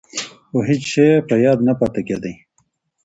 خو هېڅ شی یې په یاد نه پاتې کېده.